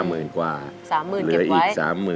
๓๐๐๐๐เก็บไว้เหลืออีก๓๐๐๐๐